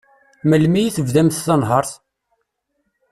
Melmi i tebdamt tanhert?